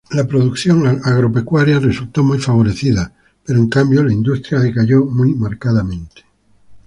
La producción agropecuaria resultó muy favorecida, pero en cambio la industria decayó muy marcadamente.